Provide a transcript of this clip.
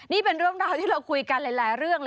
นี่เป็นเรื่องราวที่เราคุยกันหลายเรื่องเลย